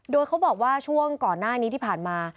โดยเขาบอกว่าช่วงก่อนหน้านี้ที่ผ่านมา